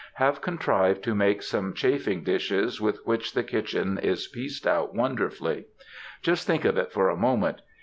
—have contrived to make some chafing dishes with which the kitchen is pieced out wonderfully. Just think of it for a moment.